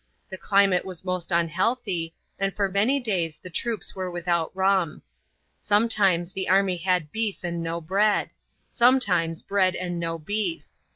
The climate was most unhealthy, and for many days the troops were without rum. Sometimes the army had beef and no bread, sometimes bread and no beef.